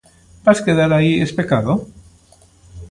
Vas quedar aí especado?